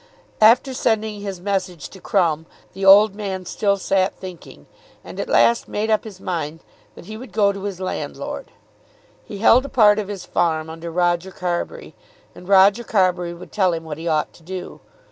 After sending his message to Crumb the old man still sat thinking, and at last made up his mind that he would go to his landlord. He held a part of his farm under Roger Carbury, and Roger Carbury would tell him what he ought to do.